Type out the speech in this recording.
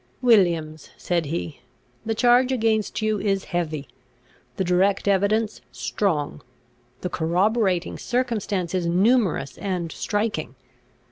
"Williams," said he, "the charge against you is heavy; the direct evidence strong; the corroborating circumstances numerous and striking.